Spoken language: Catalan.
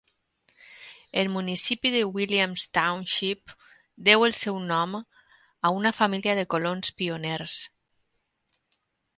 El municipi de Williams Township deu el seu nom a una família de colons pioners.